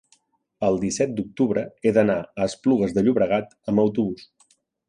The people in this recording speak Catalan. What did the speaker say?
el disset d'octubre he d'anar a Esplugues de Llobregat amb autobús.